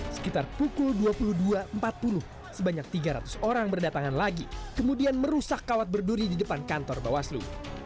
sekitar pukul dua puluh dua empat puluh sebanyak tiga ratus orang berdatangan lagi kemudian merusak kawat berduri di depan kantor bawaslu